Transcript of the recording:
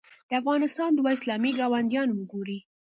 د افغانستان دوه اسلامي ګاونډیان وګورئ.